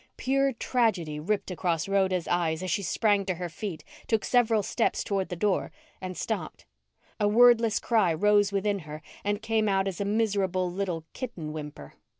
Pure tragedy ripped across Rhoda's eyes as she sprang to her feet, took several steps toward the door, and stopped. A wordless cry rose within her and came out as a miserable little kitten whimper.